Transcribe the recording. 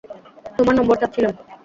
তোমার নম্বর চাচ্ছিলাম।